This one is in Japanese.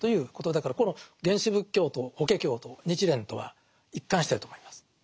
だからこの原始仏教と「法華経」と日蓮とは一貫してると思います。